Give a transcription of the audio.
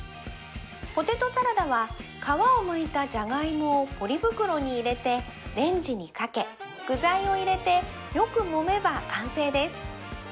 ポテトサラダは皮をむいたじゃがいもをポリ袋に入れてレンジにかけ具材を入れてよくもめば完成です